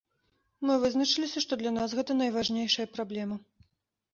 Мы вызначыліся, што для нас гэта найважнейшая праблема.